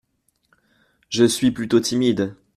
Je suis plutôt timide.